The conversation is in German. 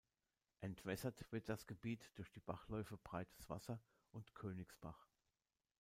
Entwässert wird das Gebiet durch die Bachläufe "Breites Wasser" und "Königsbach".